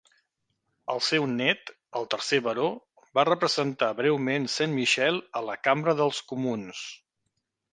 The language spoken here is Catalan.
El seu net, el tercer baró, va representar breument Saint Michael a la Cambra dels Comuns.